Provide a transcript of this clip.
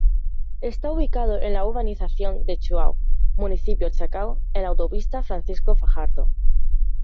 Está ubicado en la urbanización de Chuao, Municipio Chacao, en la Autopista Francisco Fajardo.